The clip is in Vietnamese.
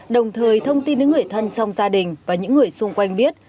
đồng thời thông tin đến người thân trong gia đình và những người xung quanh biết